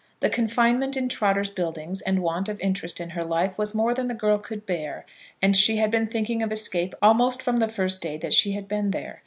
The confinement in Trotter's Buildings and want of interest in her life was more than the girl could bear, and she had been thinking of escape almost from the first day that she had been there.